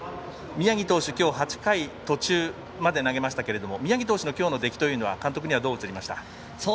宮城投手、きょう８回途中まで投げましたけども宮城投手のきょうの出来は監督にはどう映りましたか。